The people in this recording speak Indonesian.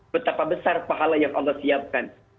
betapa besar pahala yang allah siapkan